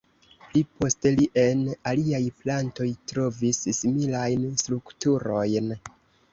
Pli poste li en aliaj plantoj trovis similajn strukturojn.